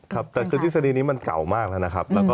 ครับแต่คือทฤษฎีนี้มันเก่ามากแล้วนะครับ